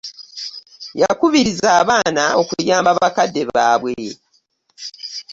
Yakubirizza abaana okuyamba bakadde baabwe